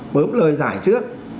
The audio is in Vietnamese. mớm lời giải trước